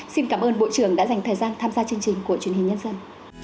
xin cảm ơn bộ trưởng đã dành thời gian tham gia chương trình của truyền hình nhân dân